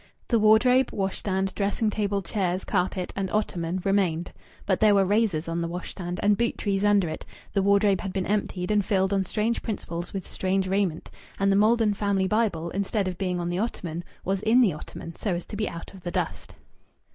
The wardrobe, washstand, dressing table, chairs, carpet, and ottoman remained. But there were razors on the washstand and boot trees under it; the wardrobe had been emptied, and filled on strange principles with strange raiment; and the Maldon family Bible, instead of being on the ottoman, was in the ottoman so as to be out of the dust.